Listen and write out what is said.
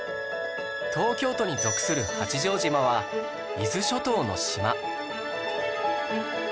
東京都に属する八丈島は伊豆諸島の島